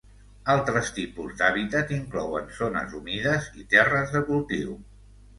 Altres tipus d'hàbitat inclouen zones humides i terres de cultiu.